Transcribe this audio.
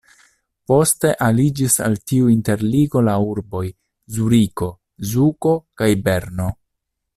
Poste aliĝis al tiu interligo la urboj Zuriko, Zugo kaj Berno.